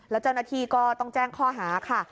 แล้วเจ้าหน้าที่ก็ต้องแจ้งข้อหาค่ะ